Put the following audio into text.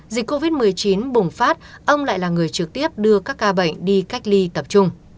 dịch covid một mươi chín bùng phát ông lại là người trực tiếp đưa các ca bệnh đi cách ly tập trung